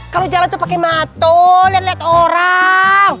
kalau jalan itu pakai mata lihat lihat orang